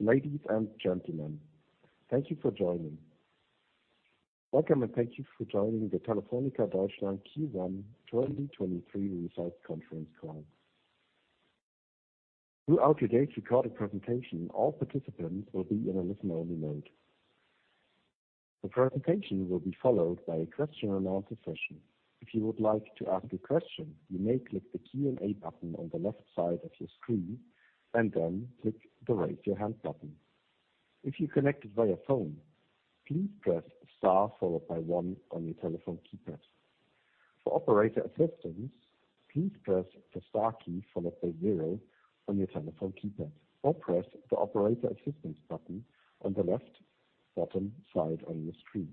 Ladies and gentlemen, thank you for joining. Welcome, and thank you for joining the Telefónica Deutschland Q1 2023 Results Conference Call. Throughout today's recorded presentation, all participants will be in a listen-only mode. The presentation will be followed by a question-and-answer session. If you would like to ask a question, you may click the Q&A button on the left side of your screen and then click the Raise Your Hand button. If you're connected via phone, please press star followed by one on your telephone keypad. For operator assistance, please press the star key followed by zero on your telephone keypad, or press the operator assistance button on the left bottom side on your screen.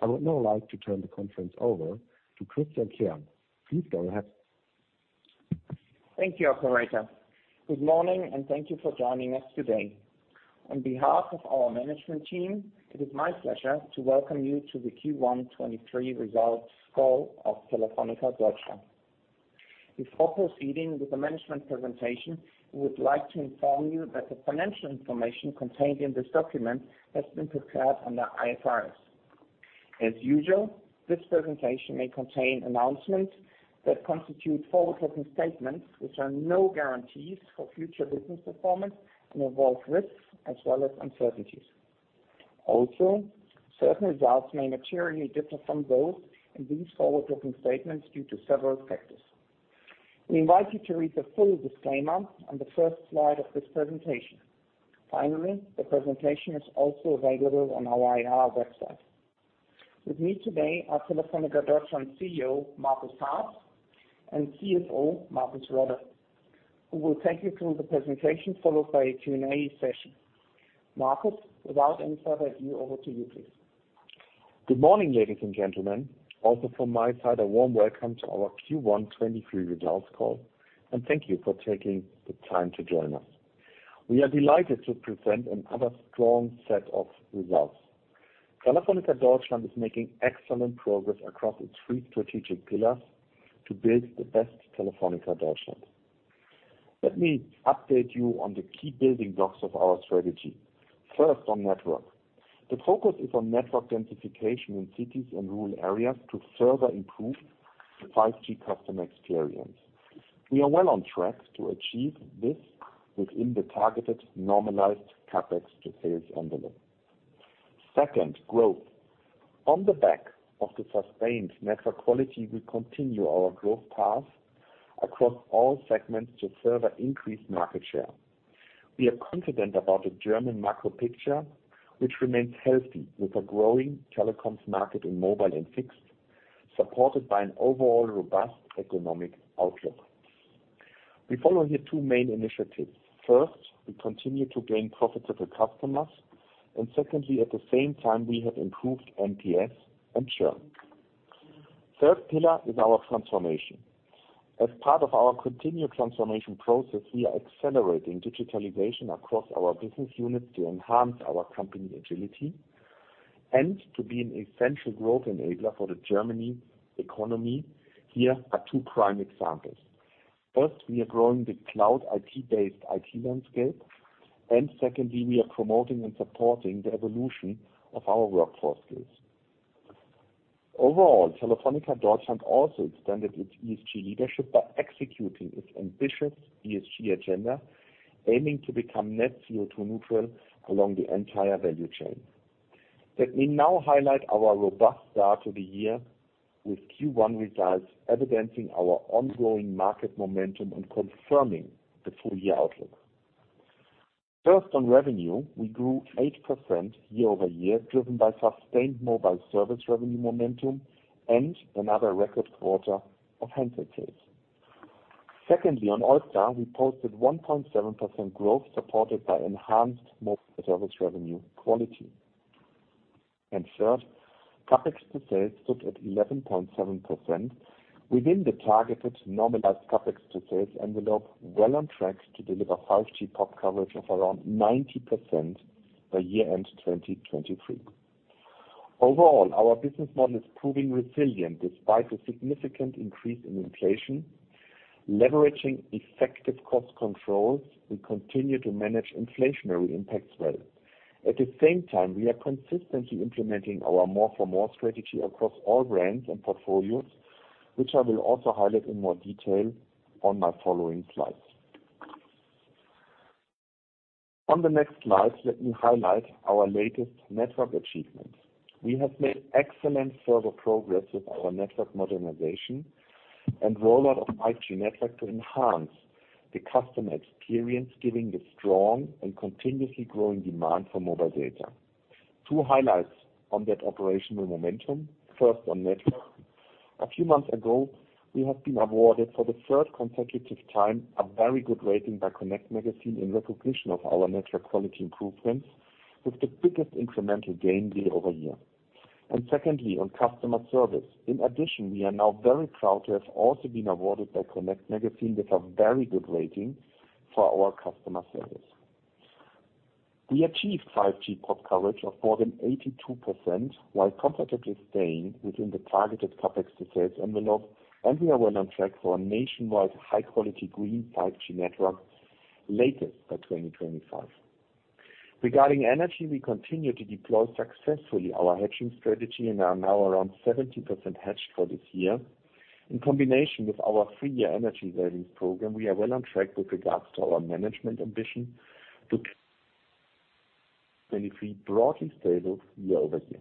I would now like to turn the conference over to Christian Kern. Please go ahead. Thank you, operator. Good morning. Thank you for joining us today. On behalf of our management team, it is my pleasure to welcome you to the Q1 2023 results call of Telefónica Deutschland. Before proceeding with the management presentation, we would like to inform you that the financial information contained in this document has been prepared under IFRS. As usual, this presentation may contain announcements that constitute forward-looking statements, which are no guarantees for future business performance and involve risks as well as uncertainties. Certain results may materially differ from those in these forward-looking statements due to several factors. We invite you to read the full disclaimer on the first slide of this presentation. The presentation is also available on our IR website. With me today are Telefónica Deutschland CEO, Markus Haas, and CFO, Markus Rolle, who will take you through the presentation followed by a Q&A session. Markus, without any further ado, over to you, please. Good morning, ladies and gentlemen. Also from my side, a warm welcome to our Q1 2023 results call, and thank you for taking the time to join us. We are delighted to present another strong set of results. Telefónica Deutschland is making excellent progress across its three strategic pillars to build the best Telefónica Deutschland. Let me update you on the key building blocks of our strategy. First, on network. The focus is on network densification in cities and rural areas to further improve the 5G customer experience. We are well on track to achieve this within the targeted normalized CapEx to sales envelope. Second, growth. On the back of the sustained network quality, we continue our growth path across all segments to further increase market share. We are confident about the German macro picture, which remains healthy with a growing telecoms market in mobile and fixed, supported by an overall robust economic outlook. We follow here two main initiatives. First, we continue to gain profitable customers. And secondly, at the same time, we have improved NPS and churn. Third pillar is our transformation. As part of our continued transformation process, we are accelerating digitalization across our business units to enhance our company agility and to be an essential growth enabler for the German economy. Here are two prime examples. First, we are growing the cloud IT-based IT landscape. And secondly, we are promoting and supporting the evolution of our workforce skills. Overall, Telefónica Deutschland also extended its ESG leadership by executing its ambitious ESG agenda, aiming to become net CO2 neutral along the entire value chain. Let me now highlight our robust start to the year with Q1 results evidencing our ongoing market momentum and confirming the full-year outlook. First, on revenue, we grew 8% year-over-year, driven by sustained mobile service revenue momentum and another record quarter of handset sales. Secondly, on OIBDA, we posted 1.7% growth, supported by enhanced mobile service revenue quality. Third, CapEx to sales stood at 11.7% within the targeted normalized CapEx to sales envelope well on track to deliver 5G pop coverage of around 90% by year-end 2023. Overall, our business model is proving resilient despite a significant increase in inflation. Leveraging effective cost controls, we continue to manage inflationary impacts well. At the same time, we are consistently implementing our "more for more" strategy across all brands and portfolios, which I will also highlight in more detail on my following slides. On the next slide, let me highlight our latest network achievements. We have made excellent further progress with our network modernization and rollout of 5G network to enhance the customer experience, given the strong and continuously growing demand for mobile data. Two highlights on that operational momentum. First, on network. A few months ago, we have been awarded for the third consecutive time a very good rating by connect Magazine in recognition of our network quality improvements with the biggest incremental gain year-over-year. Secondly, on customer service. In addition, we are now very proud to have also been awarded by connect with a very good rating for our customer service. We achieved 5G pop coverage of more than 82% while competitively staying within the targeted CapEx to sales envelope. We are well on track for a nationwide high-quality green 5G network latest by 2025. Regarding energy, we continue to deploy successfully our hedging strategy and are now around 70% hedged for this year. In combination with our 3-year energy savings program, we are well on track with regards to our management ambition to benefit broadly stable year-over-year.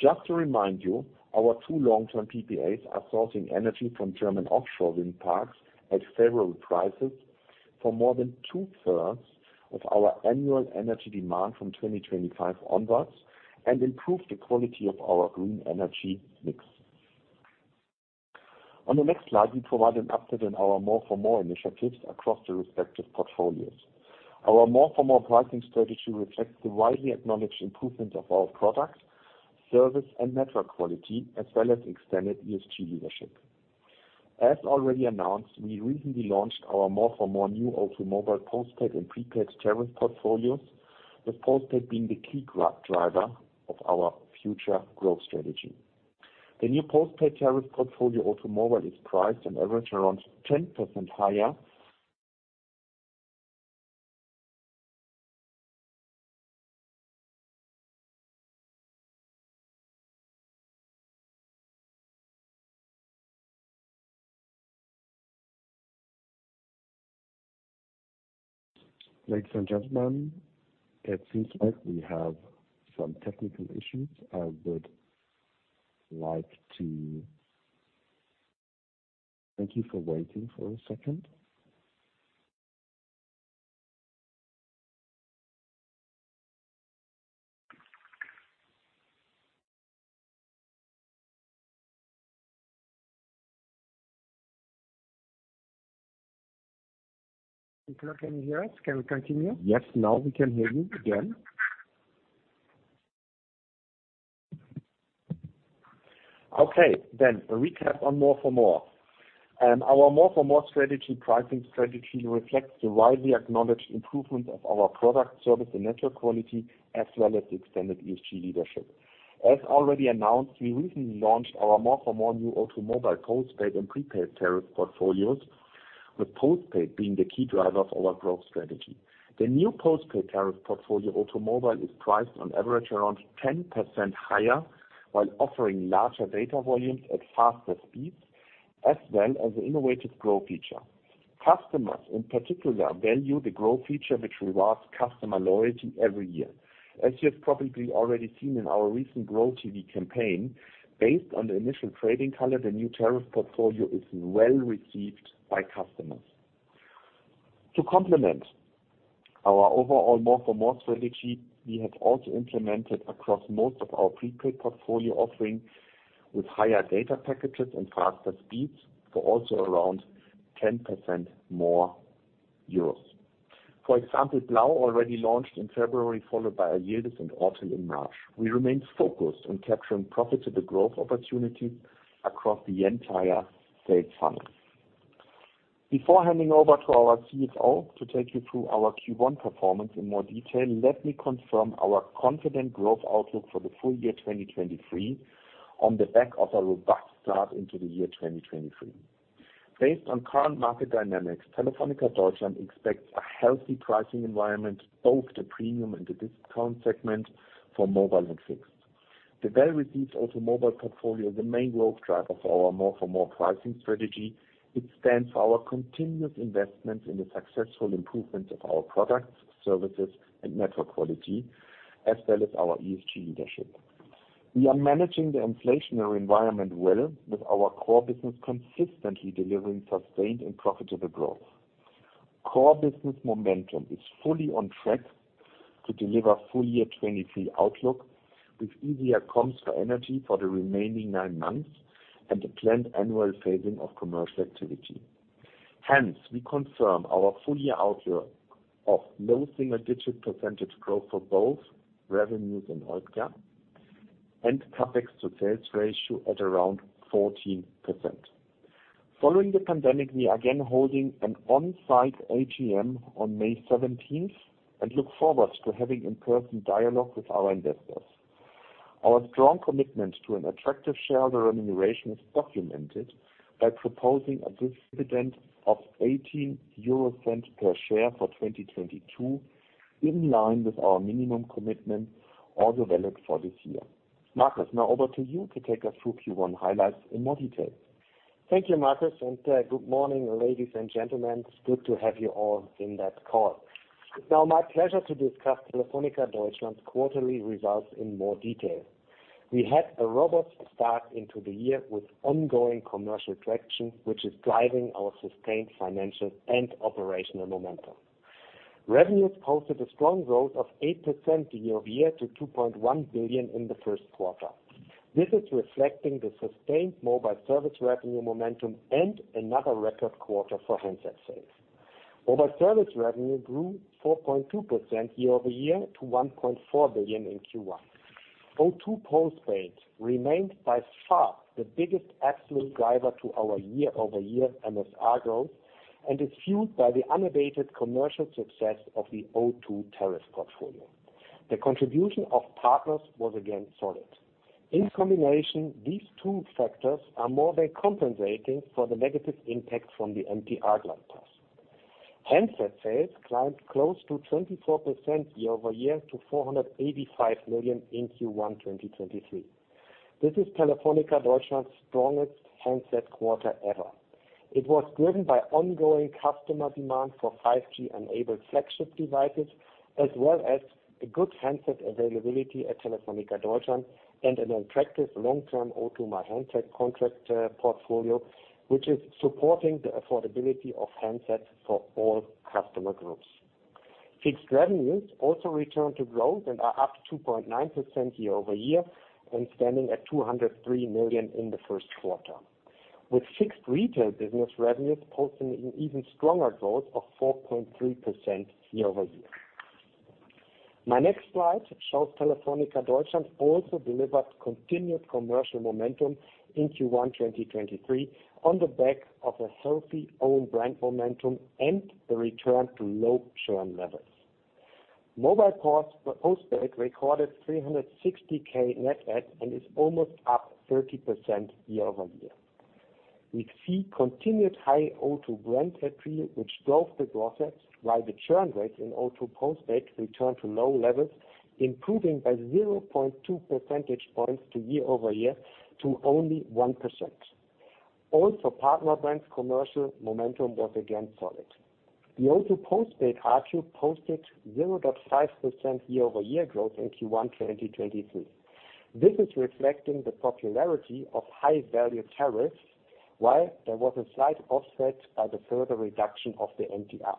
Just to remind you, our two long-term PPAs are sourcing energy from German offshore wind parks at several prices for more than 2/3 of our annual energy demand from 2025 onwards and improve the quality of our green energy mix. On the next slide, we provide an update on our "more for more" initiatives across the respective portfolios. Our "more for more" pricing strategy reflects the widely acknowledged improvement of our product, service and network quality, as well as extended ESG leadership. As already announced, we recently launched our "more for more" new O2 Mobile postpaid and prepaid tariff portfolios, with postpaid being the key driver of our future growth strategy. The new postpaid tariff portfolio, O2 Mobile, is priced on average around 10% higher. Ladies and gentlemen, it seems like we have some technical issues. I would like to thank you for waiting for a second. Can you hear us? Can we continue? Yes, now we can hear you again. Okay. A recap on "more for more". Our "more for more" strategy, pricing strategy reflects the widely acknowledged improvement of our product, service and network quality, as well as the extended ESG leadership. As already announced, we recently launched our "more for more" new O2 Mobile postpaid and prepaid tariff portfolios, with postpaid being the key driver of our growth strategy. The new postpaid tariff portfolio, O2 Mobile, is priced on average around 10% higher, while offering larger data volumes at faster speeds, as well as innovative Grow feature. Customers in particular value the Grow feature which rewards customer loyalty every year. As you have probably already seen in our recent Grow TV campaign, based on the initial trading color, the new tariff portfolio is well received by customers. To complement our overall "more for more" strategy, we have also implemented across most of our prepaid portfolio offerings with higher data packages and faster speeds for also around 10% more EUR. For example, Blau already launched in February, followed by ALDI and Ortel in March. We remain focused on capturing profitable growth opportunities across the entire sales funnel. Before handing over to our CFO to take you through our Q1 performance in more detail, let me confirm our confident growth outlook for the full year 2023 on the back of a robust start into the year 2023. Based on current market dynamics, Telefónica Deutschland expects a healthy pricing environment, both the premium and the discount segment for mobile and fixed. The well-received O2 Mobile portfolio, the main growth driver for our "more for more" pricing strategy. It stands for our continuous investment in the successful improvement of our products, services and network quality, as well as our ESG leadership. We are managing the inflationary environment well with our core business consistently delivering sustained and profitable growth. Core business momentum is fully on track to deliver full year 23 outlook, with easier comps for energy for the remaining nine months and a planned annual phasing of commercial activity. Hence, we confirm our full year outlook of low single-digit % growth for both revenues and OIBDA, and CapEx to sales ratio at around 14%. Following the pandemic, we are again holding an on-site AGM on May 17th and look forward to having in-person dialogue with our investors. Our strong commitment to an attractive shareholder remuneration is documented by proposing a dividend of 0.18 per share for 2022, in line with our minimum commitment, also valid for this year. Markus, now over to you to take us through Q1 highlights in more detail. Thank you, Markus. Good morning, ladies and gentlemen. It's good to have you all in that call. It's now my pleasure to discuss Telefónica Deutschland's quarterly results in more detail. We had a robust start into the year with ongoing commercial traction, which is driving our sustained financial and operational momentum. Revenues posted a strong growth of 8% year-over-year to 2.1 billion in the first quarter. This is reflecting the sustained mobile service revenue momentum and another record quarter for handset sales. Mobile service revenue grew 4.2% year-over-year to 1.4 billion in Q1. O2 postpaid remains by far the biggest absolute driver to our year-over-year MSF growth and is fueled by the unabated commercial success of the O2 tariff portfolio. The contribution of partners was again solid. In combination, these two factors are more than compensating for the negative impact from the MTR glide path. Handset sales climbed close to 24% year-over-year to 485 million in Q1 2023. This is Telefónica Deutschland's strongest handset quarter ever. It was driven by ongoing customer demand for 5G-enabled flagship devices, as well as a good handset availability at Telefónica Deutschland and an attractive long-term O2 My Handy contract portfolio, which is supporting the affordability of handsets for all customer groups. Fixed revenues also return to growth and are up 2.9% year-over-year and standing at 203 million in the first quarter, with fixed retail business revenues posting an even stronger growth of 4.3% year-over-year. My next slide shows Telefónica Deutschland also delivered continued commercial momentum in Q1 2023 on the back of a healthy own brand momentum and the return to low churn levels. Mobile post-postpaid recorded 360K net add and is almost up 30% year-over-year. We see continued high O2 brand entry, which drove the growth rates while the churn rates in O2 postpaid returned to low levels, improving by 0.2 percentage points to year-over-year to only 1%. Partner brands commercial momentum was again solid. The O2 postpaid ARPU posted 0.5% year-over-year growth in Q1 2023. This is reflecting the popularity of high-value tariffs while there was a slight offset by the further reduction of the MTR.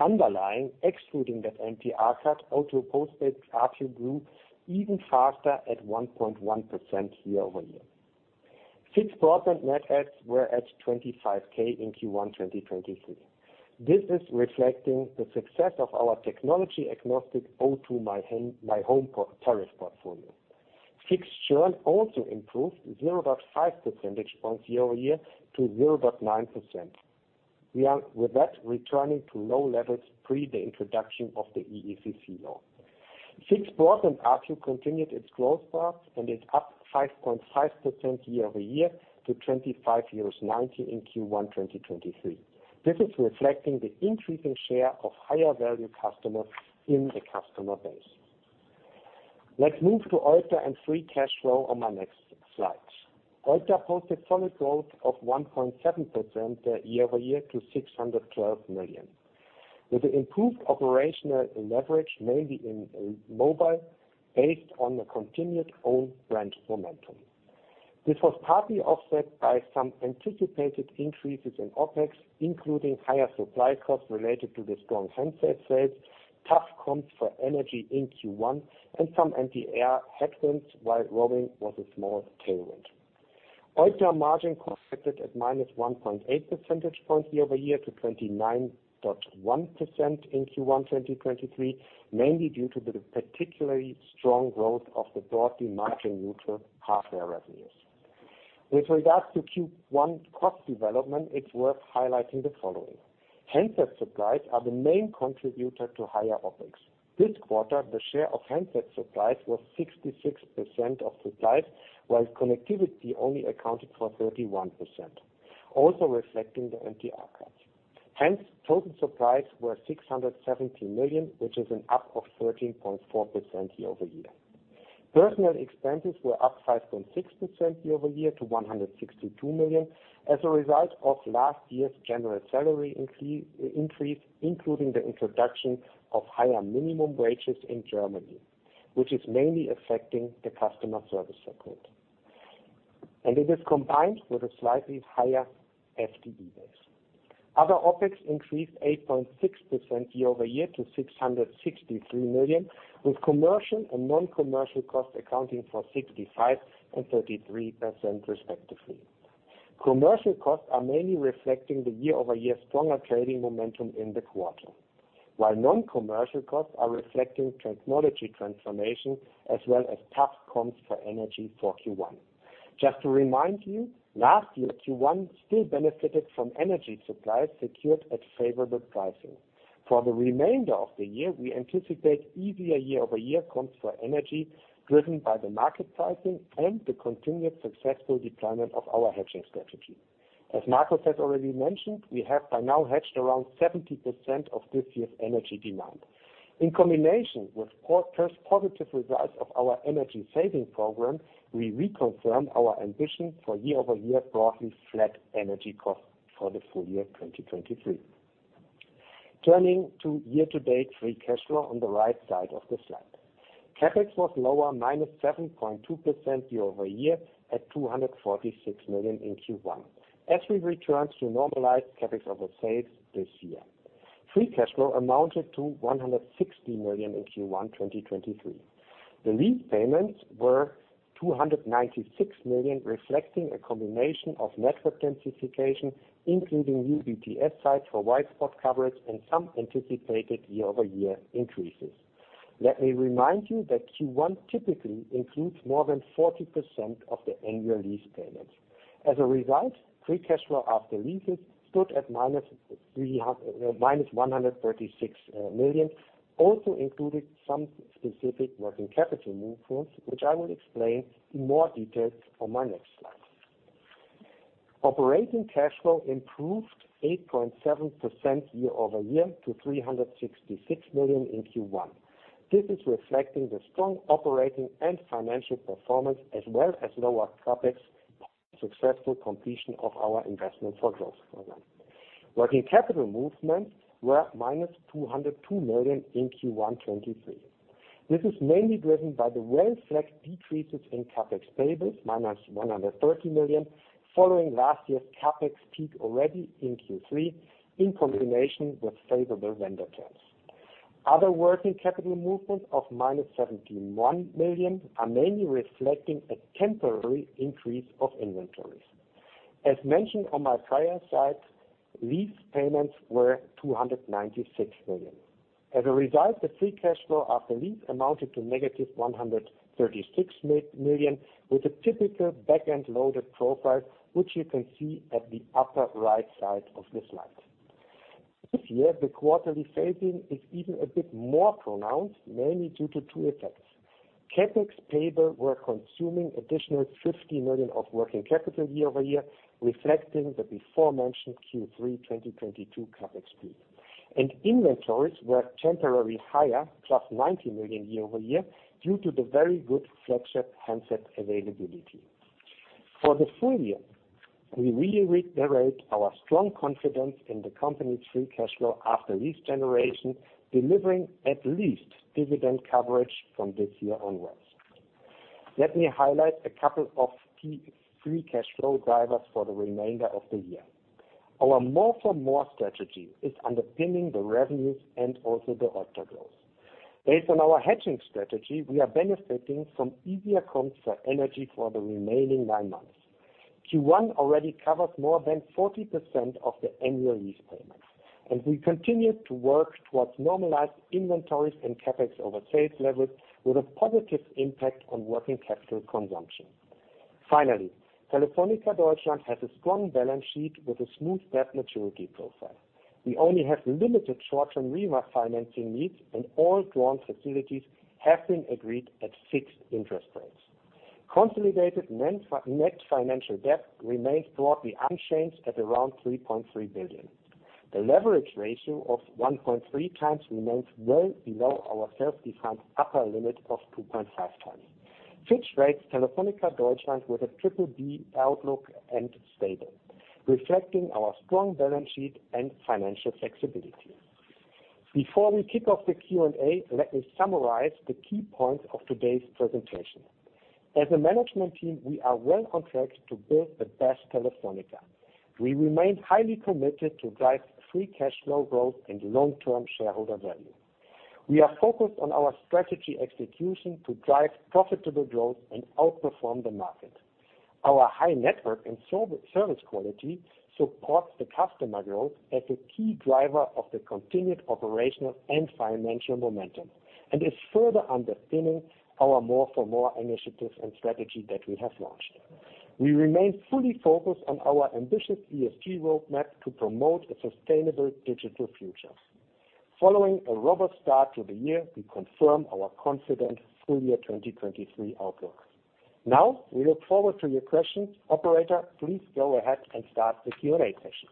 Underlying, excluding that MTR cut, O2 postpaid ARPU grew even faster at 1.1% year-over-year. Fixed broadband net adds were at 25K in Q1 2023. This is reflecting the success of our technology-agnostic O2 my Home tariff portfolio. Fixed churn also improved 0.5 percentage points year-over-year to 0.9%. We are with that returning to low levels pre the introduction of the EECC. Fixed broadband ARPU continued its growth path and is up 5.5% year-over-year to 25.90 in Q1 2023. This is reflecting the increasing share of higher-value customers in the customer base. Let's move to OIBDA and free cash flow on my next slide. OIBDA posted solid growth of 1.7% year-over-year to 612 million, with the improved operational leverage mainly in mobile based on the continued own brand momentum. This was partly offset by some anticipated increases in OpEx, including higher supply costs related to the strong handset sales, tough comps for energy in Q1, and some MTR headwinds while roaming was a small tailwind. OIBDA margin contracted at -1.8 percentage points year-over-year to 29.1% in Q1 2023, mainly due to the particularly strong growth of the broadly margin-neutral hardware revenues. With regards to Q1 cost development, it's worth highlighting the following. Handset supplies are the main contributor to higher OpEx. This quarter, the share of handset supplies was 66% of supplies, while connectivity only accounted for 31%, also reflecting the MTR cut. Total supplies were 670 million, which is an up of 13.4% year-over-year. Personnel expenses were up 5.6% year-over-year to 162 million as a result of last year's general salary increase, including the introduction of higher minimum wages in Germany, which is mainly affecting the customer service segment. It is combined with a slightly higher FTE base. Other OpEx increased 8.6% year-over-year to 663 million, with commercial and non-commercial costs accounting for 65% and 33% respectively. Commercial costs are mainly reflecting the year-over-year stronger trading momentum in the quarter, while non-commercial costs are reflecting technology transformation as well as tough comps for energy for Q1. Just to remind you, last year, Q1 still benefited from energy supply secured at favorable pricing. For the remainder of the year, we anticipate easier year-over-year comps for energy driven by the market pricing and the continued successful deployment of our hedging strategy. As Markus Haas has already mentioned, we have by now hedged around 70% of this year's energy demand. In combination with positive results of our energy saving program, we reconfirm our ambition for year-over-year broadly flat energy costs for the full year 2023. Turning to year-to-date free cash flow on the right side of the slide. CapEx was lower -7.2% year-over-year at 246 million in Q1 as we return to normalized CapEx over sales this year. Free cash flow amounted to 160 million in Q1 2023. The lease payments were 296 million, reflecting a combination of network densification, including new BTS sites for wide spot coverage and some anticipated year-over-year increases. Let me remind you that Q1 typically includes more than 40% of the annual lease payments. As a result, free cash flow after leases stood at minus 136 million, also included some specific working capital movements, which I will explain in more details on my next slide. Operating cash flow improved 8.7% year-over-year to 366 million in Q1. This is reflecting the strong operating and financial performance as well as lower CapEx successful completion of our investment for growth program. Working capital movements were minus 202 million in Q1 23. This is mainly driven by the well-flagged decreases in CapEx payables, minus 130 million, following last year's CapEx peak already in Q3 in combination with favorable vendor terms. Other working capital movements of minus 71 million are mainly reflecting a temporary increase of inventories. As mentioned on my prior slide, lease payments were 296 million. As a result, the free cash flow after lease amounted to negative 136 million, with a typical back-end loaded profile, which you can see at the upper right side of the slide. This year, the quarterly phasing is even a bit more pronounced, mainly due to two effects. CapEx payable were consuming additional 50 million of working capital year-over-year, reflecting the before-mentioned Q3 2022 CapEx peak. Inventories were temporarily higher, plus 90 million year-over-year, due to the very good flagship handset availability. For the full year, we reiterate our strong confidence in the company's free cash flow after lease generation, delivering at least dividend coverage from this year onwards. Let me highlight a couple of key free cash flow drivers for the remainder of the year. Our "more for more" strategy is underpinning the revenues and also the OIBDA growth. Based on our hedging strategy, we are benefiting from easier comps for energy for the remaining nine months. Q1 already covers more than 40% of the annual lease payments. We continue to work towards normalized inventories and CapEx over sales levels with a positive impact on working capital consumption. Telefónica Deutschland has a strong balance sheet with a smooth debt maturity profile. We only have limited short-term rework financing needs. All drawn facilities have been agreed at fixed interest rates. Consolidated net financial debt remains broadly unchanged at around 3.3 billion. The leverage ratio of 1.3x remains well below our self-defined upper limit of 2.5x. Fitch rates Telefónica Deutschland with a BBB outlook and stable, reflecting our strong balance sheet and financial flexibility. Before we kick off the Q&A, let me summarize the key points of today's presentation. As a management team, we are well on track to build the best Telefónica. We remain highly committed to drive free cash flow growth and long-term shareholder value. We are focused on our strategy execution to drive profitable growth and outperform the market. Our high network and service quality supports the customer growth as a key driver of the continued operational and financial momentum, and is further underpinning our "more for more" initiatives and strategy that we have launched. We remain fully focused on our ambitious ESG roadmap to promote a sustainable digital future. Following a robust start to the year, we confirm our confident full year 2023 outlook. We look forward to your questions. Operator, please go ahead and start the Q&A session.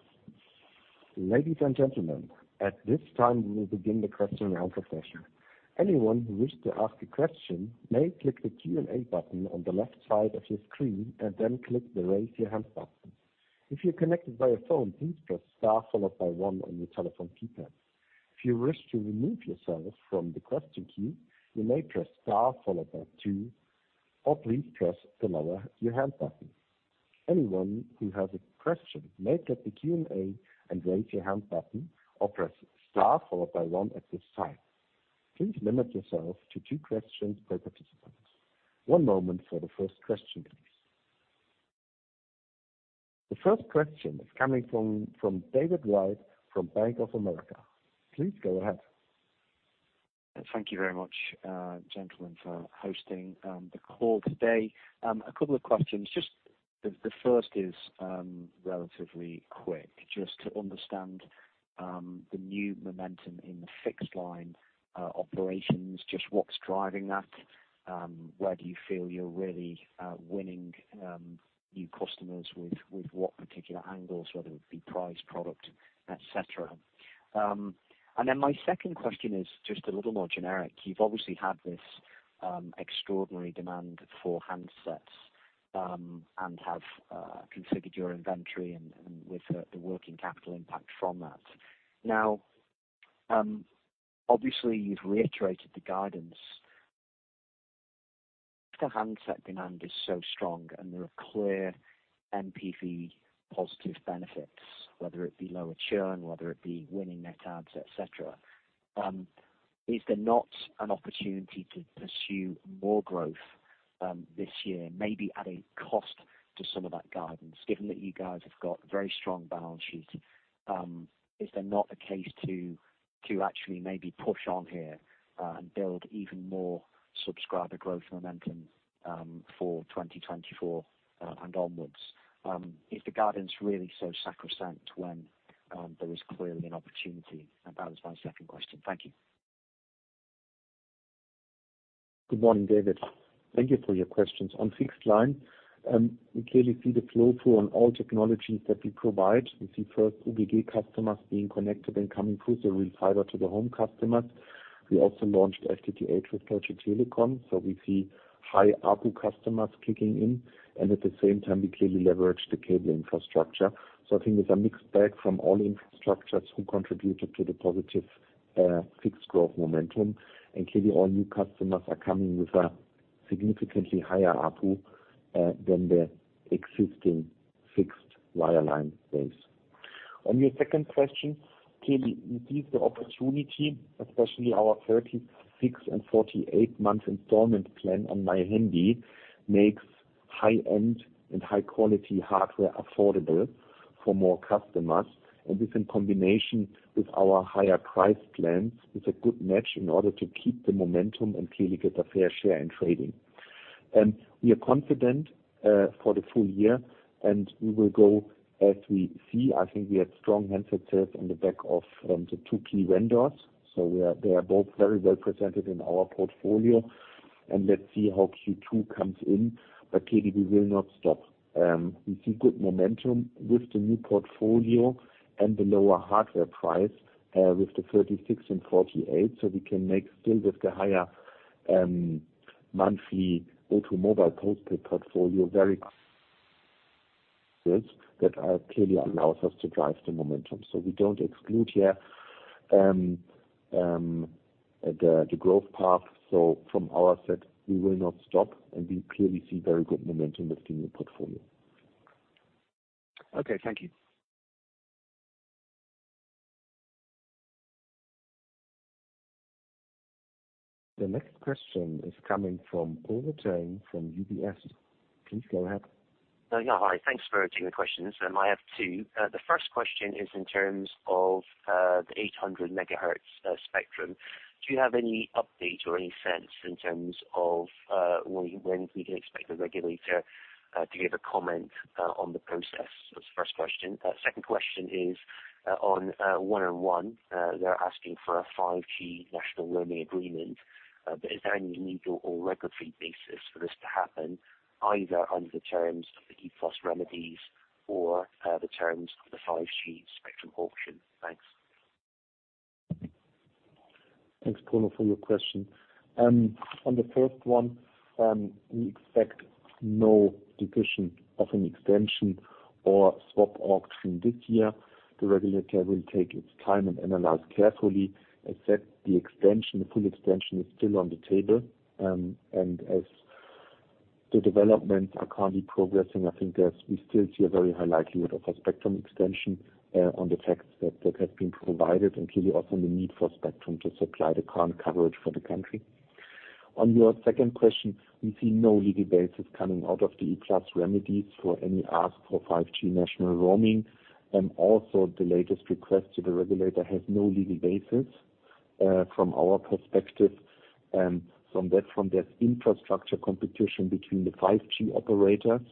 Ladies and gentlemen, at this time, we will begin the question and answer session. Anyone who wishes to ask a question may click the Q&A button on the left side of your screen and then click the Raise Your Hand button. If you're connected via phone, please press star followed by one on your telephone keypad. If you wish to remove yourself from the question queue, you may press star followed by two, or please press the Lower Your Hand button. Anyone who has a question may click the Q&A and Raise Your Hand button or press star followed by one at this time. Please limit yourself to two questions per participant. 1 moment for the first question, please. The first question is coming from David Wright from Bank of America. Please go ahead. Thank you very much, gentlemen, for hosting the call today. A couple of questions. Just the first is relatively quick. Just to understand the new momentum in the fixed line operations, just what's driving that? Where do you feel you're really winning new customers with what particular angles, whether it be price, product, et cetera? Then my second question is just a little more generic. You've obviously had this extraordinary demand for handsets and have configured your inventory and with the working capital impact from that. Now, obviously you've reiterated the guidance. If the handset demand is so strong and there are clear NPV positive benefits, whether it be lower churn, whether it be winning net adds, et cetera, Is there not an opportunity to pursue more growth this year, maybe at a cost to some of that guidance, given that you guys have got very strong balance sheet? Is there not a case to actually maybe push on here and build even more subscriber growth momentum for 2024 and onwards? Is the guidance really so sacrosanct when there is clearly an opportunity? That was my second question. Thank you. Good morning, David. Thank you for your questions. On fixed line, we clearly see the flow-through on all technologies that we provide. We see first OXG customers being connected and coming through the retail to the home customers. We also launched FTTH with Deutsche Telekom, so we see high ARPU customers kicking in. At the same time, we clearly leverage the cable infrastructure. I think there's a mixed bag from all infrastructures who contributed to the positive fixed growth momentum. Clearly, all new customers are coming with a significantly higher ARPU than the existing fixed wireline base. On your second question, clearly we see the opportunity, especially our 36 and 48-month installment plan on MyHandy makes high-end and high-quality hardware affordable for more customers. This, in combination with our higher price plans, is a good match in order to keep the momentum and clearly get a fair share in trading. We are confident for the full year, and we will go as we see. I think we have strong handset sales on the back of the two key vendors. They are both very well represented in our portfolio. Let's see how Q2 comes in. Clearly, we will not stop. We see good momentum with the new portfolio and the lower hardware price with the 36 and 48, so we can make still with the higher monthly O2 Mobile postpay portfolio very That clearly allows us to drive the momentum. We don't exclude here the growth path. From our side, we will not stop, and we clearly see very good momentum with the new portfolio. Okay. Thank you. The next question is coming from Polo Tang from UBS. Please go ahead. Yeah. Hi. Thanks for taking the questions. I have two. The first question is in terms of the 800 megahertz spectrum. Do you have any update or any sense in terms of when we can expect the regulator to give a comment on the process? That's the first question. Second question is on 1&1, they're asking for a 5G national roaming agreement. Is there any legal or regulatory basis for this to happen either under the terms of the E-Plus remedies or the terms of the 5G spectrum auction? Thanks. Thanks, Polo, for your question. On the first one, we expect no decision of an extension or swap auction this year. The regulator will take its time and analyze carefully. Except the extension, the full extension is still on the table. As the developments are currently progressing, we still see a very high likelihood of a spectrum extension on the facts that have been provided, and clearly also the need for spectrum to supply the current coverage for the country. On your second question, we see no legal basis coming out of the E-Plus remedies for any ask for 5G national roaming. Also the latest request to the regulator has no legal basis from our perspective. From that infrastructure competition between the 5G operators.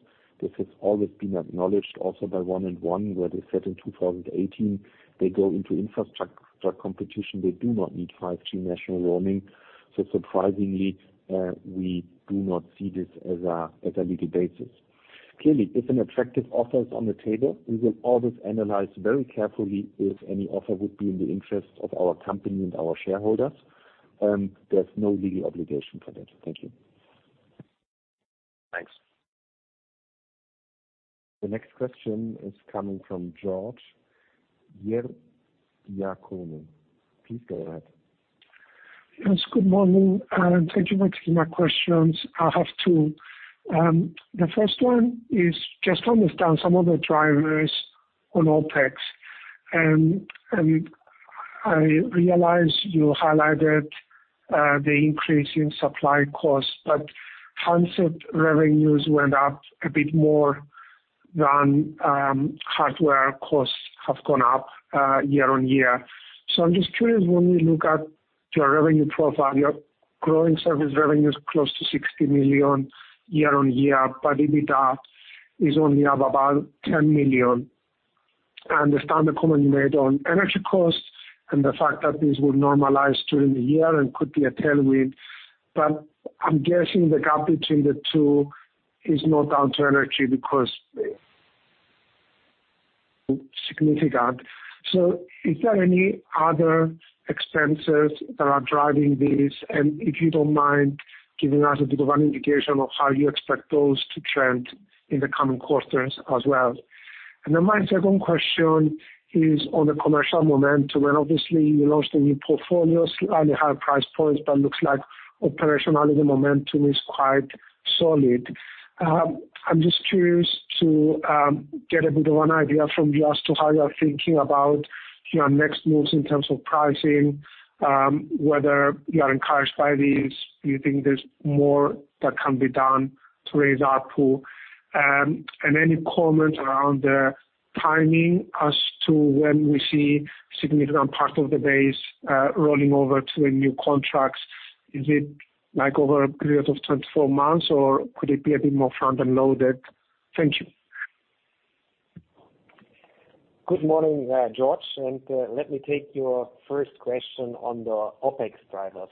This has always been acknowledged also by 1&1, where they said in 2018, they go into infrastructure competition. They do not need 5G national roaming. Surprisingly, we do not see this as a legal basis. Clearly, if an attractive offer is on the table, we will always analyze very carefully if any offer would be in the interest of our company and our shareholders. There's no legal obligation for that. Thank you. Thanks. The next question is coming from George Ierodiaconou Please go ahead. Yes, good morning, and thank you for taking my questions. I have two. The first one is just to understand some of the drivers on OpEx. I realize you highlighted, the increase in supply costs, but handset revenues went up a bit more than, hardware costs have gone up, year-over-year. I'm just curious, when we look at your revenue profile, your growing service revenue is close to 60 million year-over-year, but EBITDA is only up about 10 million. I understand the comment you made on energy costs and the fact that this will normalize during the year and could be a tailwind. I'm guessing the gap between the two is not down to energy because significant. Is there any other expenses that are driving this? If you don't mind giving us a bit of an indication of how you expect those to trend in the coming quarters as well. My second question is on the commercial momentum. Obviously you launched a new portfolios at a higher price point, but looks like operationally the momentum is quite solid. I'm just curious to get a bit of an idea from you as to how you are thinking about your next moves in terms of pricing, whether you are encouraged by these, do you think there's more that can be done to raise ARPU? Any comments around the timing as to when we see significant part of the base rolling over to the new contracts? Is it like over a period of 24 months, or could it be a bit more front-ended loaded? Thank you. Good morning, George. Let me take your first question on the OpEx driver.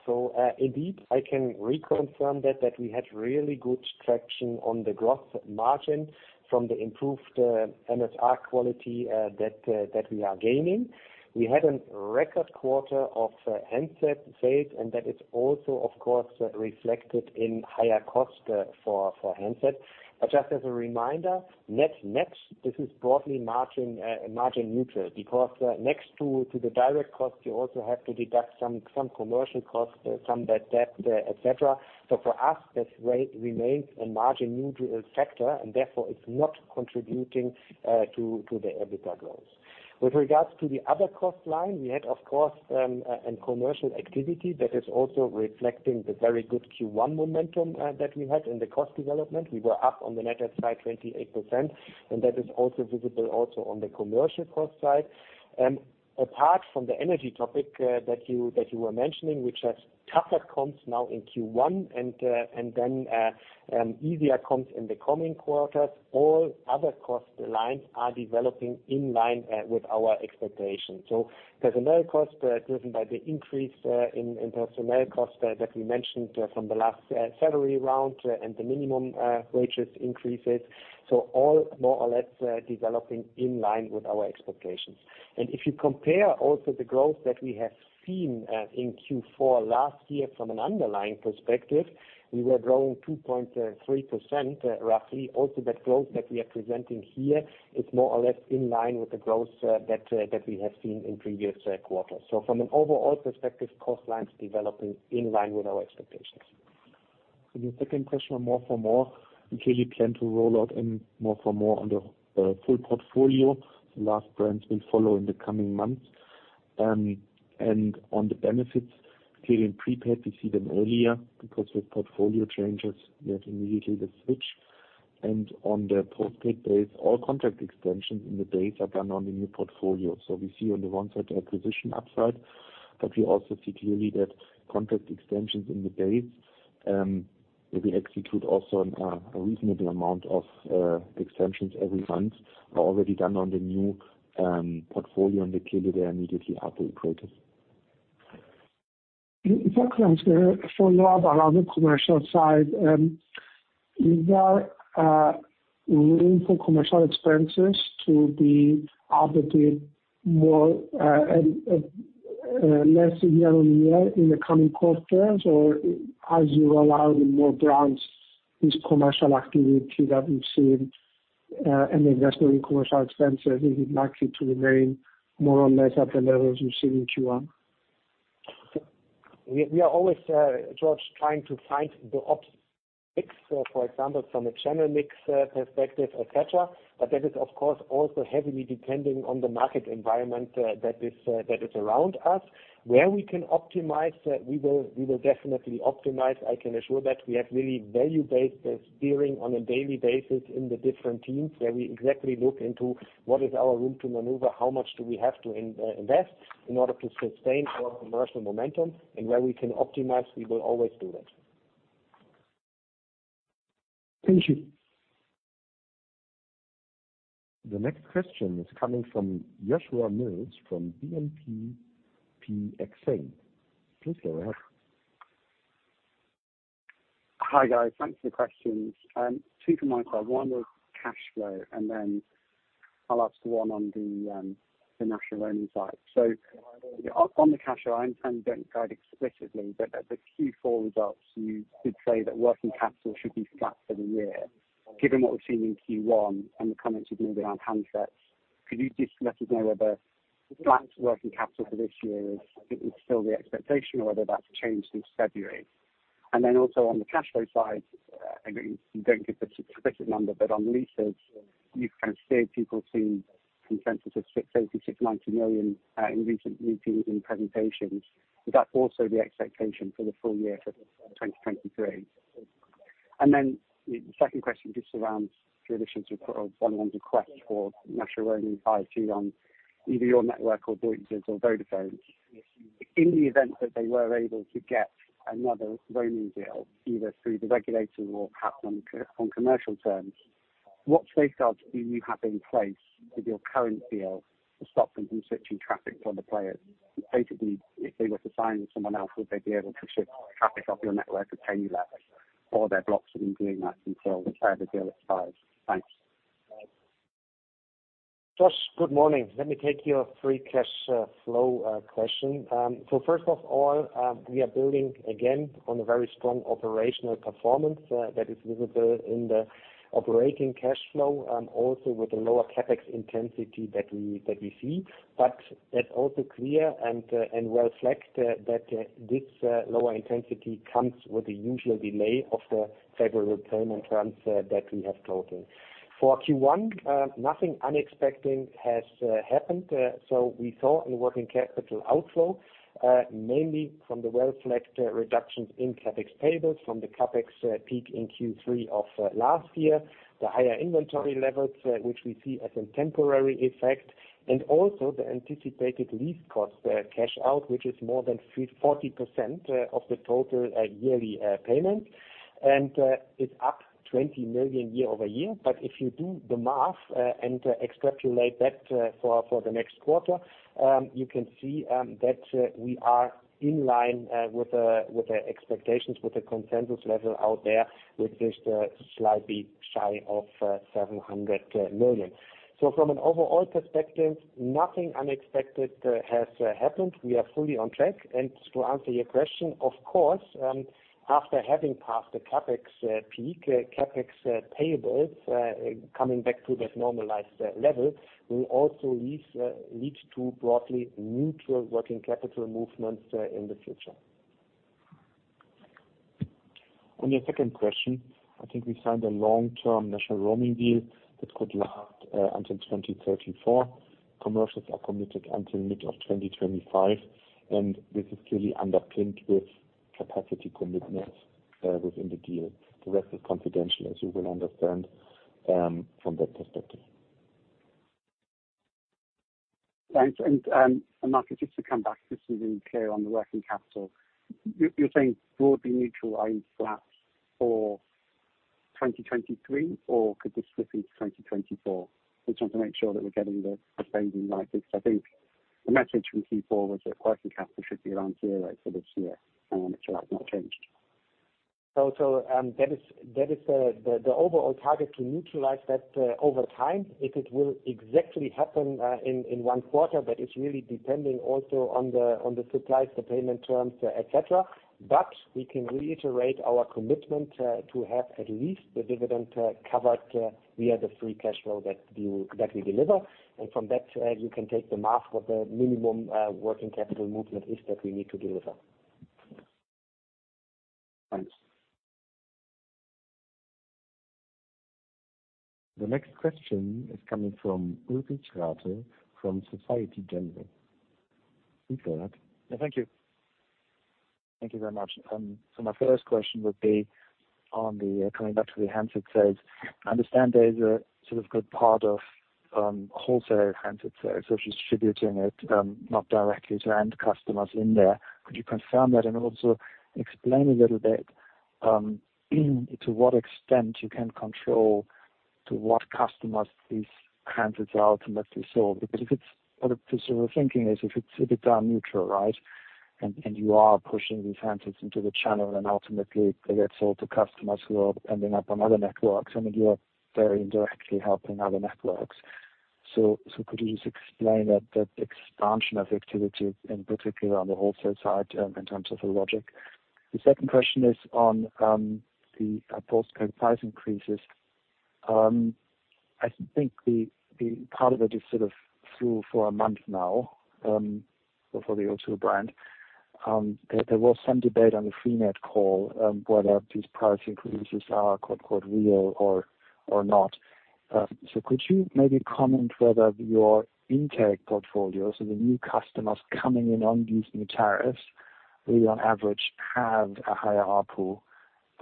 Indeed, I can reconfirm that we had really good traction on the growth margin from the improved MSR quality that we are gaining. We had a record quarter of handset sales, and that is also, of course, reflected in higher cost for handsets. Just as a reminder, net next, this is broadly margin neutral because next to the direct cost, you also have to deduct some commercial costs, some bad debt, et cetera. For us, this remains a margin neutral factor, and therefore it's not contributing to the EBITDA growth. With regards to the other cost line, we had, of course, in commercial activity that is also reflecting the very good Q1 momentum that we had in the cost development. We were up on the net add side 28%, that is also visible on the commercial cost side. Apart from the energy topic that you were mentioning, which has tougher comps now in Q1 and then easier comps in the coming quarters, all other cost lines are developing in line with our expectations. Personnel costs driven by the increase in personnel costs that we mentioned from the last salary round and the minimum wages increases. All more or less developing in line with our expectations. If you compare also the growth that we have seen in Q4 last year from an underlying perspective, we were growing 2.3% roughly. That growth that we are presenting here is more or less in line with the growth that we have seen in previous quarters. From an overall perspective, cost line's developing in line with our expectations. The second question on "more for more", we clearly plan to roll out in "more for more" on the full portfolio. The last brands will follow in the coming months. On the benefits, clearly in prepaid, we see them earlier because with portfolio changes, we have immediately the switch. On the post-paid base, all contract extensions in the base are done on the new portfolio. We see on the one side acquisition upside, but we also see clearly that contract extensions in the base, we execute also on a reasonable amount of extensions every month are already done on the new portfolio, and clearly they are immediately upward prices. In fact, for a lot around the commercial side, is there room for commercial expenses to be allocated more less year on year in the coming quarters? Or as you roll out more brands, is commercial activity that we've seen an investment in commercial expenses, is it likely to remain more or less at the levels we've seen in Q1? We are always, George, trying to find the OpEx, for example, from a channel mix, perspective, et cetera. That is of course, also heavily depending on the market environment, that is around us. Where we can optimize, we will definitely optimize. I can assure that. We have really value-based steering on a daily basis in the different teams, where we exactly look into what is our room to maneuver, how much do we have to invest in order to sustain our commercial momentum. Where we can optimize, we will always do that. Thank you. The next question is coming from Joshua Mills from BNPP Exane. Please go ahead. Hi, guys. Thanks for the questions. Two from my side. One was cash flow, and then I'll ask one on the national roaming side. On the cash flow, I understand you don't guide explicitly, but the Q4 results, you did say that working capital should be flat for the year. Given what we've seen in Q1 and the comments you've made around handsets, could you just let us know whether flat working capital for this year is still the expectation or whether that's changed since February? Also on the cash flow side, I know you don't give the specific number, but on leases, you've kind of steered people to consensus of 686 million-690 million in recent meetings and presentations. Is that also the expectation for the full year for 2023? The second question just around the addition to follow on to 1&1 for national roaming 5G on either your network or Deutsche Telekom's or Vodafone's. In the event that they were able to get another roaming deal, either through the regulator or perhaps on commercial terms, what safeguards do you have in place with your current deal to stop them from switching traffic to other players? Basically, if they were to sign with someone else, would they be able to shift traffic off your network and pay you less, or they're blocked from doing that until the current deal expires? Thanks. Josh, good morning. Let me take your free cash flow question. First of all, we are building again on a very strong operational performance that is visible in the operating cash flow, also with a lower CapEx intensity that we see. It's also clear and well-reflected that this lower intensity comes with the usual delay of the February payment terms that we have totaled. For Q1, nothing unexpected has happened. We saw in working capital outflow, mainly from the well-reflected reductions in CapEx payables from the CapEx peak in Q3 of last year, the higher inventory levels, which we see as a temporary effect, and also the anticipated lease costs cash out, which is more than 40% of the total yearly payment. It's up 20 million year-over-year. If you do the math and extrapolate that for the next quarter, you can see that we are in line with the expectations, with the consensus level out there, slightly shy of 700 million. From an overall perspective, nothing unexpected has happened. We are fully on track. To answer your question, of course, after having passed the CapEx peak, CapEx payables coming back to that normalized level will also lead to broadly neutral working capital movements in the future. On your second question, I think we signed a long-term national roaming deal that could last until 2034. Commercials are committed until mid of 2025. This is clearly underpinned with capacity commitments within the deal. The rest is confidential, as you will understand from that perspective. Thanks. Markus, just to come back, just to be clear on the working capital. You're saying broadly neutral, i.e., flats for 2023 or could this slip into 2024? I just want to make sure that we're getting the framing right because I think the message from Q4 was that working capital should be around here for this year. I wanna make sure that's not changed. That is the overall target to neutralize that over time. If it will exactly happen in one quarter, that is really depending also on the suppliers, the payment terms, et cetera. We can reiterate our commitment to have at least the dividend covered via the free cash flow that we deliver. From that, you can take the math what the minimum working capital movement is that we need to deliver. Thanks. The next question is coming from Ulrich Rathe from Société Générale. Ulrich. Thank you. Thank you very much. My first question would be on the coming back to the handset sales. I understand there's a sort of good part of wholesale handset sales, so distributing it not directly to end customers in there. Could you confirm that and also explain a little bit to what extent you can control to what customers these handsets are ultimately sold? Because the thinking is if it's done neutral, right, and you are pushing these handsets into the channel, and ultimately they get sold to customers who are ending up on other networks, I mean, you are very indirectly helping other networks. Could you just explain that expansion of activity, in particular on the wholesale side, in terms of the logic? The second question is on the postpaid price increases. I think the part of it is sort of through for a month now, or for the O2 brand. There was some debate on the freenet call whether these price increases are "real" or not. Could you maybe comment whether your intake portfolio, so the new customers coming in on these new tariffs, will on average have a higher ARPU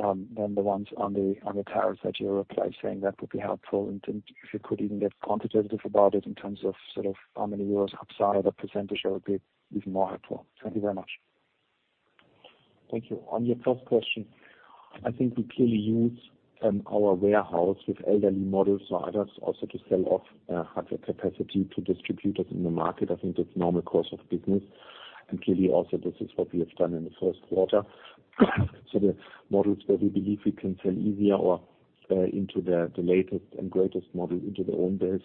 than the ones on the tariffs that you're replacing? That would be helpful. If you could even get quantitative about it in terms of, sort of, how many euros upside or % that would be even more helpful. Thank you very much. Thank you. On your first question, I think we clearly use our warehouse with elderly models or others also to sell off hardware capacity to distributors in the market. I think that's normal course of business. Clearly also this is what we have done in the first quarter. The models where we believe we can sell easier or into the latest and greatest model into their own base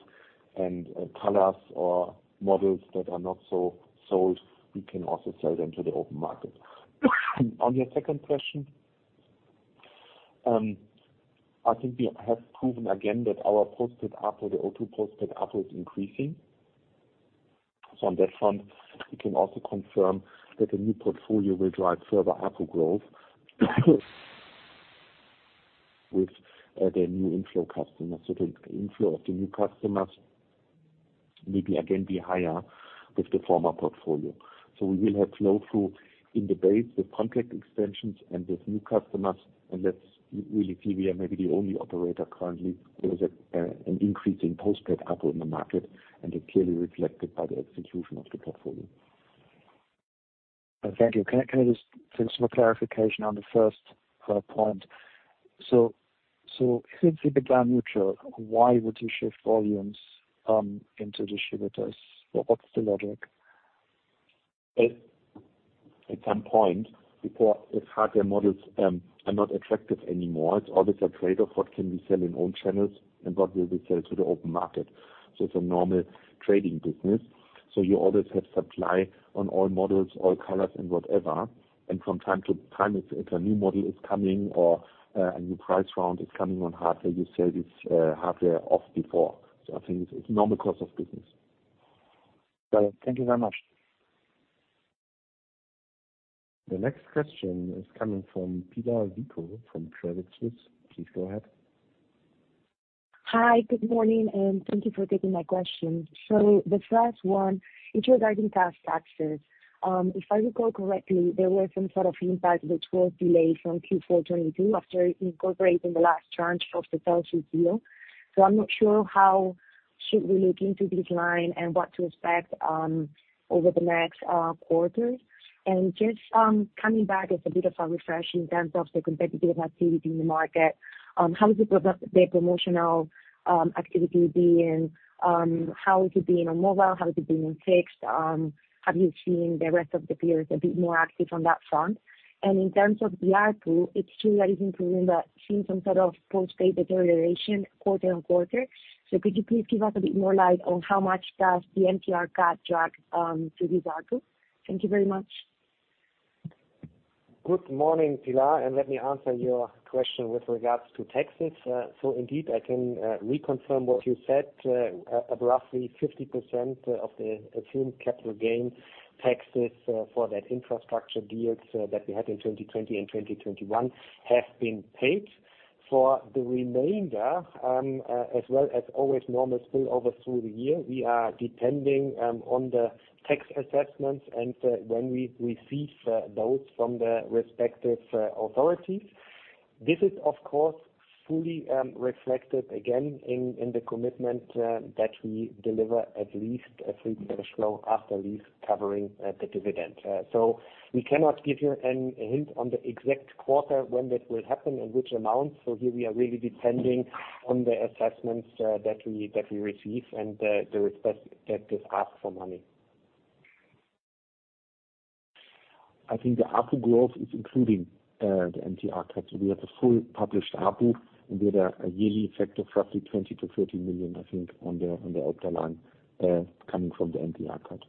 and colors or models that are not so sold, we can also sell them to the open market. On your second question, I think we have proven again that our postpaid ARPU, the O2 postpaid ARPU, is increasing. On that front, we can also confirm that the new portfolio will drive further ARPU growth with the new inflow customers. The inflow of the new customers may be again be higher with the former portfolio. We will have flow through in the base with contract extensions and with new customers, and that's really clear. We are maybe the only operator currently with a an increase in postpaid ARPU in the market, and it's clearly reflected by the execution of the portfolio. Thank you. Can I just for clarification on the first point. Since it became neutral, why would you shift volumes into distributors? What's the logic? At some point, before if hardware models are not attractive anymore, it's always a trade-off. What can we sell in own channels and what will we sell to the open market? It's a normal trading business. You always have supply on all models, all colors and whatever. From time to time, it's, if a new model is coming or a new price round is coming on hardware, you sell this hardware off before. I think it's a normal course of business. Thank you very much. The next question is coming from Pilar Vico from Credit Suisse. Please go ahead. Hi, good morning, thank you for taking my question. The first one is regarding past taxes. If I recall correctly, there was some sort of impact which was delayed from Q4 22 after incorporating the last tranche of the Cellnex deal. I'm not sure how should we look into this line and what to expect over the next quarters. Just coming back as a bit of a refresh in terms of the competitive activity in the market, how is the promotional activity being? How is it being on mobile? How is it being on fixed? Have you seen the rest of the peers a bit more active on that front? In terms of the ARPU, it's true that it's improving, but seeing some sort of post-paid deterioration quarter-on-quarter. Could you please give us a bit more light on how much does the NPR cut drag to this ARPU? Thank you very much. Good morning, Pilar, and let me answer your question with regards to taxes. Indeed, I can reconfirm what you said. Roughly 50% of the assumed capital gain taxes for that infrastructure deals that we had in 2020 and 2021 have been paid. For the remainder, as well as always normal spillover through the year, we are depending on the tax assessments and when we receive those from the respective authorities. This is, of course, fully reflected again in the commitment that we deliver at least a free cash flow after lease covering the dividend. We cannot give you an hint on the exact quarter when that will happen and which amount. Here we are really depending on the assessments that we receive and the request that is asked for money. I think the ARPU growth is including the NPR cut. We have the full published ARPU, and we had a yearly effect of roughly 20 million-30 million, I think, on the upper line coming from the NPR cut.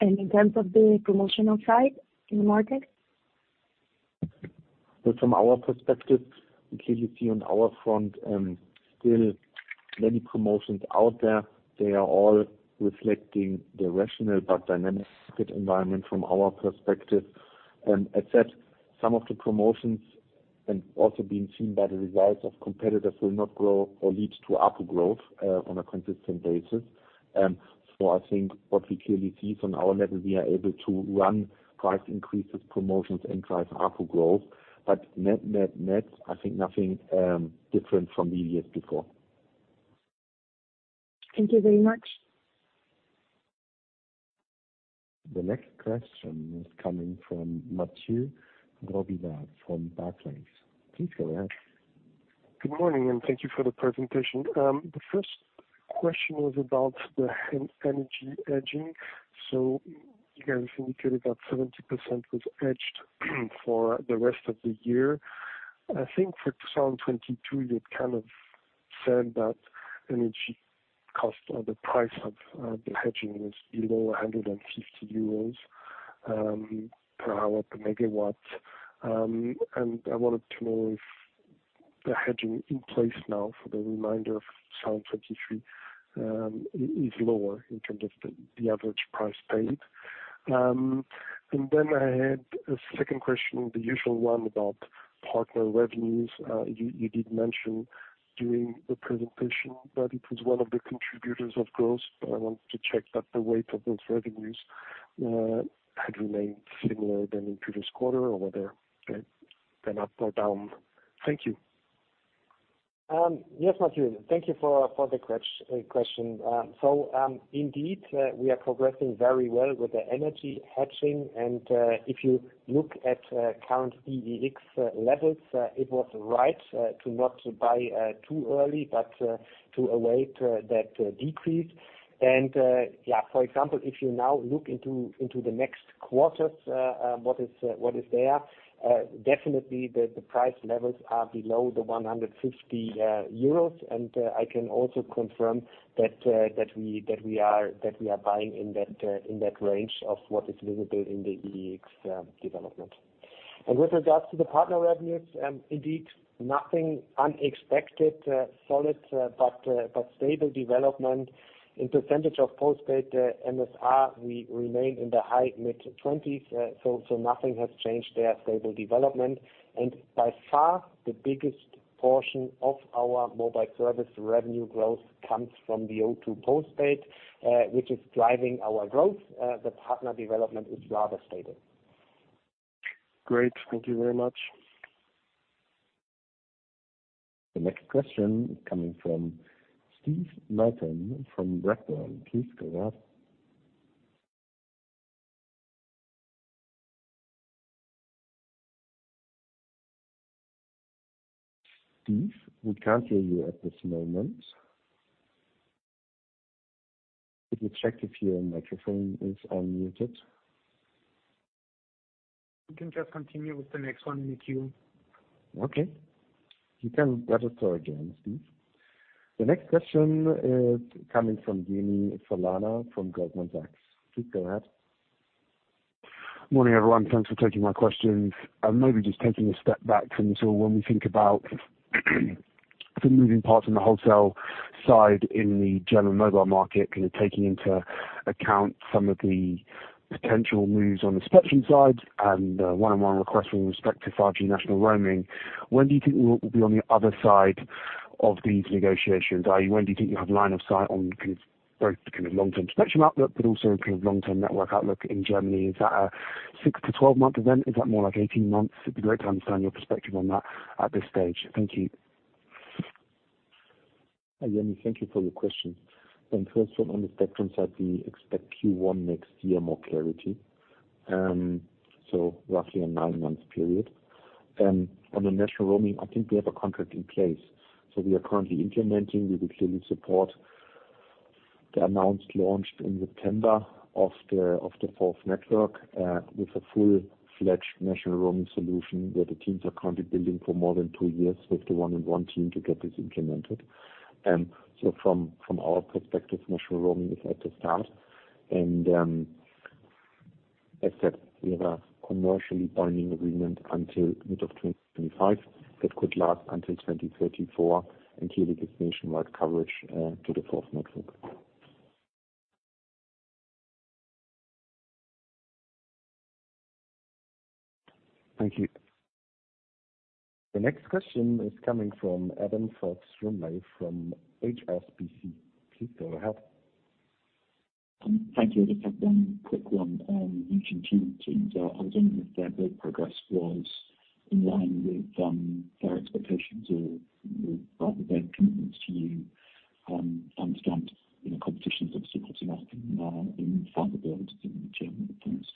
In terms of the promotional side in the market? From our perspective, we clearly see on our front, still many promotions out there. They are all reflecting the rational but dynamic market environment from our perspective. As said, some of the promotions and also being seen by the results of competitors will not grow or lead to ARPU growth on a consistent basis. I think what we clearly see is on our level, we are able to run price increases, promotions and drive ARPU growth. Net, net, I think nothing different from the years before. Thank you very much. The next question is coming from Mathieu Robilliard from Barclays. Please go ahead. Good morning, thank you for the presentation. The first question was about the energy hedging. You guys indicated that 70% was hedged for the rest of the year. I think for 2022, you'd kind of said that energy cost or the price of the hedging was below 150 euros per hour per megawatt. I wanted to know if the hedging in place now for the remainder of 2023 is lower in terms of the average price paid. I had a second question, the usual one about partner revenues. You did mention during the presentation that it was one of the contributors of growth, but I wanted to check that the weight of those revenues had remained similar than in previous quarter or were they up or down? Thank you. Yes, Mathieu. Thank you for the question. Indeed, we are progressing very well with the energy hedging. If you look at current EEX levels, it was right to not buy too early, but to await that decrease. For example, if you now look into the next quarters, what is there, definitely the price levels are below 150 euros. I can also confirm that we are buying in that range of what is visible in the EEX development. With regards to the partner revenues, indeed nothing unexpected, solid, but stable development. In 10 of postpaid MSR, we remain in the high mid-20s. Nothing has changed there, stable development. By far, the biggest portion of our mobile service revenue growth comes from the O2 postpaid, which is driving our growth. The partner development is rather stable. Great. Thank you very much. The next question coming from Steve Martin from Berenberg. Please go ahead. Steve, we can't hear you at this moment. Could you check if your microphone is unmuted? We can just continue with the next one in the queue. Okay. You can register again, Steve. The next question is coming from Yemi Falana from Goldman Sachs. Please go ahead. Morning, everyone. Thanks for taking my questions. Maybe just taking a step back from the tool when we think about the moving parts in the wholesale side in the German mobile market, kind of taking into account some of the potential moves on the spectrum side and 1&1 requests with respect to 5G national roaming, when do you think we will be on the other side of these negotiations? I.e., when do you think you have line of sight on both the kind of long-term spectrum outlook but also in kind of long-term network outlook in Germany? Is that a 6-12 month event? Is that more like 18 months? It would be great to understand your perspective on that at this stage. Thank you. Hi, Jimmy. Thank you for your question. First one, on the spectrum side, we expect Q1 next year more clarity. Roughly a 9-month period. On the national roaming, I think we have a contract in place. We are currently implementing. We will clearly support the amounts launched in September of the, of the fourth network, with a full-fledged national roaming solution, where the teams are currently building for more than two years with the 1&1 team to get this implemented. From our perspective, national roaming is at the start. As said, we have a commercially binding agreement until mid of 25. That could last until 2034 until it gives nationwide coverage to the fourth network. Thank you. The next question is coming from Adam Fox-Rumley from HSBC. Please go ahead. Thank you. I've just got one quick one on UGG teams. I was wondering if their build progress was in line with their expectations or, you know, about their commitments to you, understand, you know, competitions obviously costing, in fundability in general terms?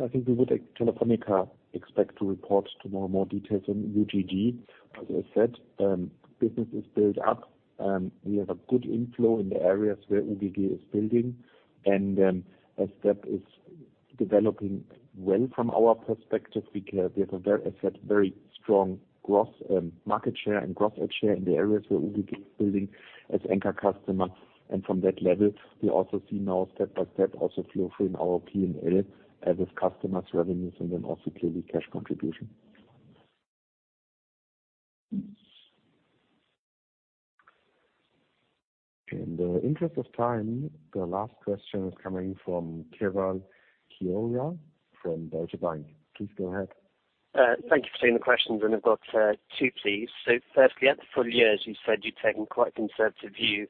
I think we would, like, Telefónica Deutschland expect to report tomorrow more details on UGG. As I said, business is built up. We have a good inflow in the areas where UGG is building. As that is developing well from our perspective, we have a very, as said, very strong growth, market share and growth edge share in the areas where UGG is building as anchor customer. From that level, we also see now step by step also flow through in our P&L as is customers' revenues and then also clearly cash contribution. In the interest of time, the last question is coming from Keval Khiroya from Deutsche Bank. Please go ahead. Thank you for taking the questions, and I've got two, please. Firstly, at the full year, as you said, you've taken quite a conservative view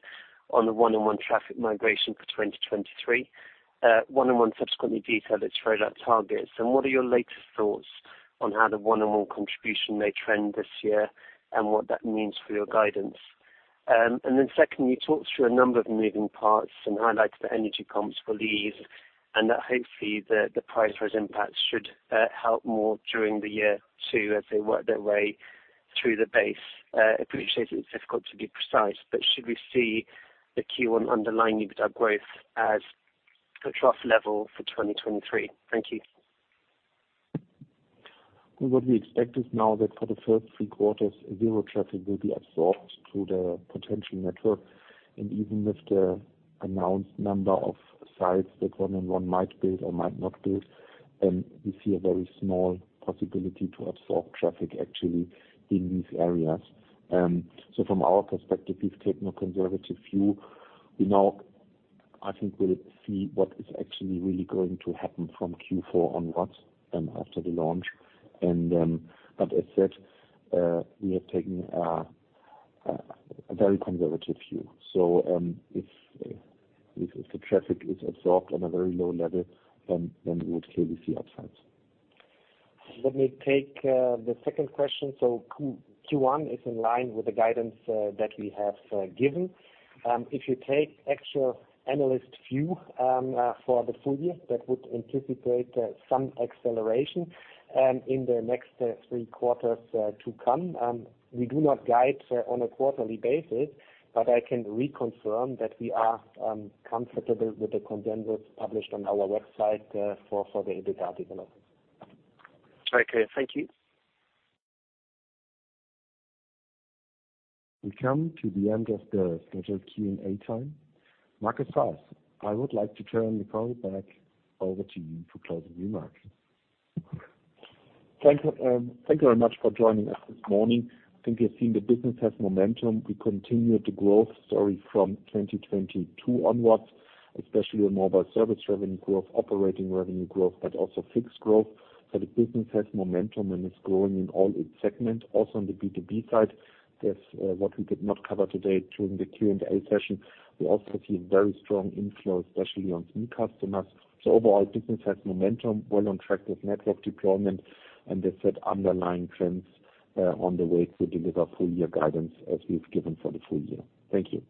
on the 1&1 traffic migration for 2023. 1&1 subsequently detailed its rollout targets. What are your latest thoughts on how the 1&1 contribution may trend this year and what that means for your guidance? Secondly, you talked through a number of moving parts and highlighted the energy comps for these and that hopefully the price rise impact should help more during the year two as they work their way through the base. Appreciate it's difficult to be precise, but should we see the Q1 underlying EBITDA growth as a trough level for 2023? What we expect is now that for the first three quarters, zero traffic will be absorbed to the potential network. Even with the announced number of sites that 1&1 might build or might not build, we see a very small possibility to absorb traffic actually in these areas. From our perspective, we've taken a conservative view. I think we'll see what is actually really going to happen from Q4 onwards, after the launch. As said, we are taking a very conservative view. If the traffic is absorbed on a very low level, then we would clearly see upsides. Let me take the second question. Q1 is in line with the guidance that we have given. If you take actual analyst view for the full year, that would anticipate some acceleration in the next three quarters to come. We do not guide on a quarterly basis. I can reconfirm that we are comfortable with the consensus published on our website for the EBITDA development. Okay. Thank you. We come to the end of the scheduled Q&A time. Markus Haas, I would like to turn the call back over to you for closing remarks. Thank you very much for joining us this morning. I think you've seen the business has momentum. We continued the growth story from 2022 onwards, especially on mobile service revenue growth, operating revenue growth, but also fixed growth. The business has momentum, and it's growing in all its segments. Also on the B2B side, there's what we could not cover today during the Q&A session. We also see very strong inflow, especially on new customers. Overall, business has momentum, well on track with network deployment, and as said, underlying trends on the way to deliver full year guidance as we've given for the full year. Thank you.